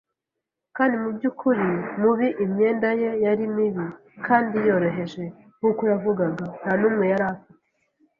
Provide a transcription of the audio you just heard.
Kandi mubyukuri mubi imyenda ye yari mibi kandi yoroheje nkuko yavugaga, ntanumwe yari afite